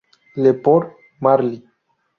Le Port-Marly